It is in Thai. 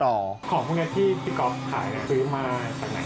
ของพวกนี้ที่พี่ก๊อฟขายซื้อมาจากไหน